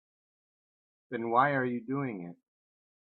Then why are you doing it?